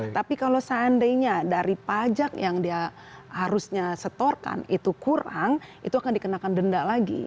tapi kalau seandainya dari pajak yang dia harusnya setorkan itu kurang itu akan dikenakan denda lagi